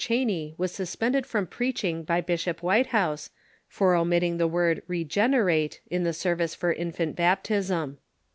Cheney was suspended from preaching by Bishop \Vhitehouse, for omitting the word " regenerate " in the service for infant baptism.